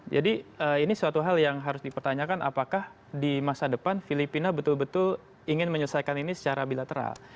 jadi ini suatu hal yang harus dipertanyakan apakah di masa depan filipina betul betul ingin menyelesaikan ini secara bilateral